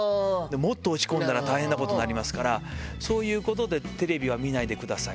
もっと落ち込んだら大変なことになりますから、そういうことで、テレビは見ないでください。